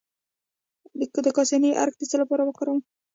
د کاسني عرق د څه لپاره وکاروم؟